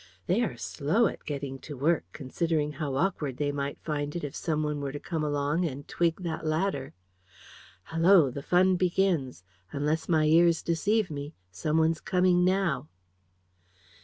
They are slow at getting to work, considering how awkward they might find it if some one were to come along and twig that ladder. Hallo, the fun begins! Unless my ears deceive me, some one's coming now."